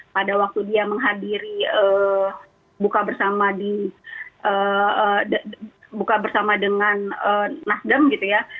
pada waktu dia menghadiri buka bersama dengan nasdem gitu ya